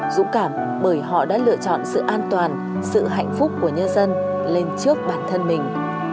dũng cảm bởi họ đã lựa chọn sự an toàn sự hạnh phúc của nhân dân lên trước bản thân mình